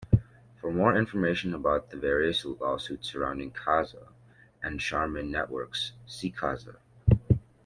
For more information about the various lawsuits surrounding Kazaa and Sharman Networks, see Kazaa.